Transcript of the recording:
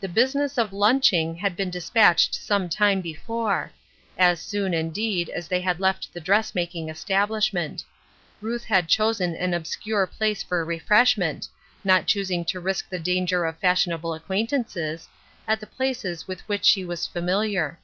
The business of lunching had been dispatched some time before — as soon, indeed, as they had left the dress making establishment. Ruth had chosen an obscure place for refreshment, not choosing to risk the danger of fashionable ac quaintances, at the places with which she was familiar.